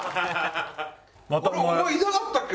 お前いなかったっけ？